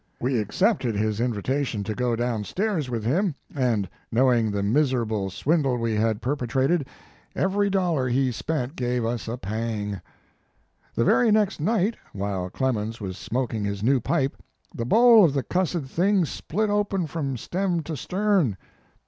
We accepted his invitation to go down stairs with him, and knowing the mis erable swindle we had perpetrated, every dollar he spent gave us a pang. 4 The very next night, while Clemens was smoking his new pipe, the bowl of the cussed thing split open from stem to stern.